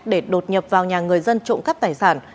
để đột nhập vào nhà người dân trộm cắp tài sản